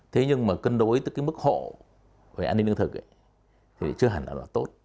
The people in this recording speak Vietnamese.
thế nhưng mà cân đối tức cái mức hộ về an ninh lương thực thì chưa hẳn là tốt